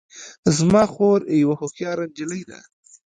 زما خور یوه هوښیاره نجلۍ ده